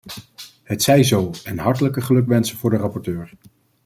Het zij zo en hartelijke gelukwensen voor de rapporteur.